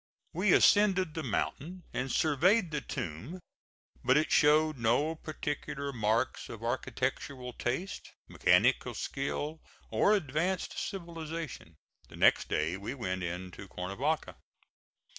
We ascended the mountain and surveyed the tomb; but it showed no particular marks of architectural taste, mechanical skill or advanced civilization. The next day we went into Cuernavaca.